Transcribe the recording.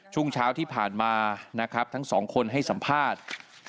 ช่วงเช้าที่ผ่านมานะครับทั้งสองคนให้สัมภาษณ์